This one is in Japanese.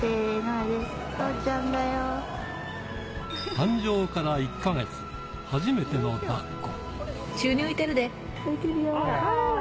誕生から１か月、初めての抱っこ。